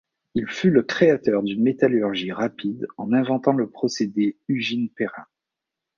Il fut le créateur d'une métallurgie rapide en inventant le procédé Ugine-Perrin.